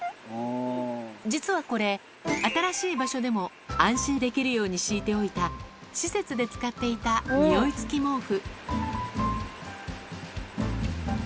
実はこれ、新しい場所でも安心できるように敷いておいた、施設で使っていた、においつき毛布。